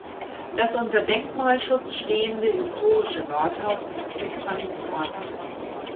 Das unter Denkmalschutz stehende historische Rathaus ist Blickfang des Ortes.